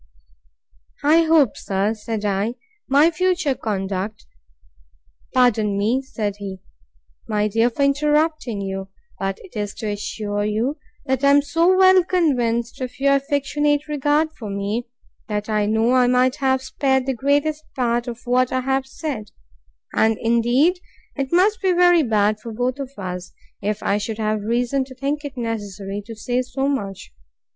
I hope, sir, said I, my future conduct—Pardon me, said he, my dear, for interrupting you; but it is to assure you, that I am so well convinced of your affectionate regard for me, that I know I might have spared the greatest part of what I have said: And, indeed, it must be very bad for both of us, if I should have reason to think it necessary to say so much.